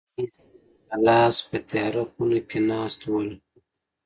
مې ستنې په لاس په تیاره خونه کې ناست ول.